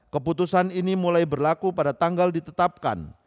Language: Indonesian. keputusan ini mulai berlaku pada tanggal ditetapkan